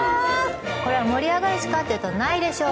これは「盛り上がるしか！？」って言うと「ないでしょ！」